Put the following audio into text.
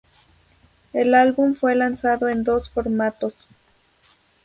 El álbum fue lanzado en dos formatos.